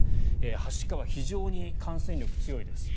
はしかは非常に感染力が強いです。